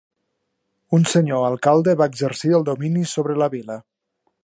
Un senyor alcalde va exercir el domini sobre la vila.